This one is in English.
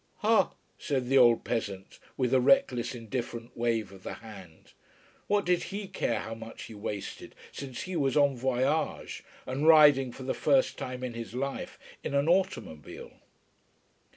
"Ha!" said the old peasant, with a reckless indifferent wave of the hand. What did he care how much he wasted, since he was en voyage and riding for the first time in his life in an automobile.